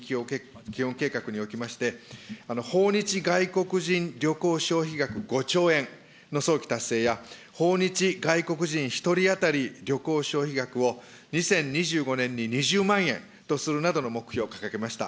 基本計画におきまして、訪日外国人旅行者消費額５兆円の早期達成や、訪日外国人１人当たり旅行消費額を２０２５年に２０万円とするなどの目標を掲げました。